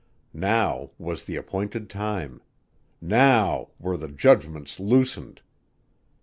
Now was the appointed time! Now were the judgments loosened!